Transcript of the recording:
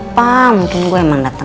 kamun kangen kangenan